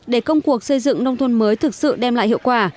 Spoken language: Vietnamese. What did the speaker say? để công cuộc xây dựng nông thôn mới thực sự đem lại hiệu quả